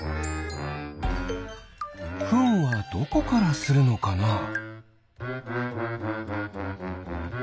フンはどこからするのかな？